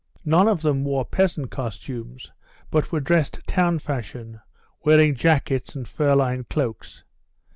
None of them wore peasant costumes, but were dressed town fashion, wearing jackets and fur lined cloaks.